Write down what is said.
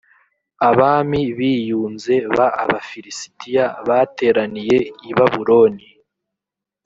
abami biyunze b abafilisitiya bateraniye ibabuloni